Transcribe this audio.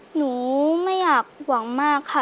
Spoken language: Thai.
หนูไม่อยากห่วงมากค่ะ